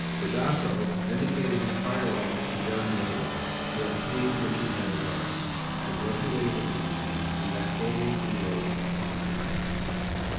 Gradasso vindicated his prior right to Durindana, to obtain which he had embarked (as was related in the beginning) in that bold inroad upon France.